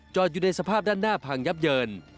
อยู่ในสภาพด้านหน้าพังยับเยิน